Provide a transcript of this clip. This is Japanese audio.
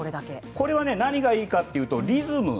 これは何がいいかというとリズム。